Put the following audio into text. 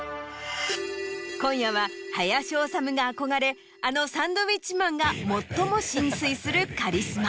今夜は林修が憧れあのサンドウィッチマンが最も心酔するカリスマ。